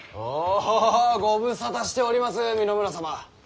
あぁご無沙汰しております三野村様。